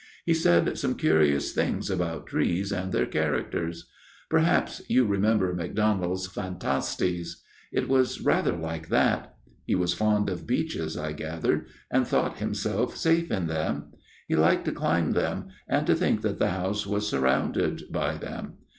He said some curious things about trees and their characters. Perhaps you remember MacDonald's Phantasies. It was rather like that. He was fond of beeches, I gathered, and thought himself safe in them ; he liked to climb them and to think that the house FATHER BRENTS TALE 63 was surrounded by them.